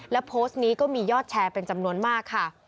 และโพสต์นี้ก็มียอดแชร์เป็นจำนวนมากค่ะ